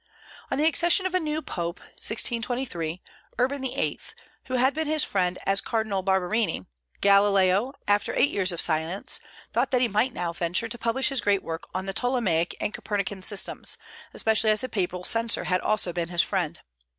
On the accession of a new Pope (1623), Urban VIII., who had been his friend as Cardinal Barberini, Galileo, after eight years of silence, thought that he might now venture to publish his great work on the Ptolemaic and Copernican systems, especially as the papal censor also had been his friend.